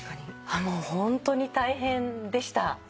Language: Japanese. もうホントに大変でした。